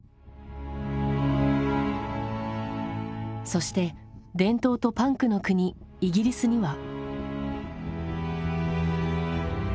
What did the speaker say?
そして伝統とパンクの国イギリスには。